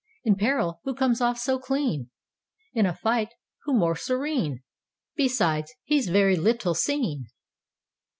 In peril, who comes off so clean? In a fight, who more serene? Besides, he's very little seen.